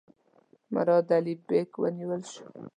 مراد علي بیګ ونیول شو.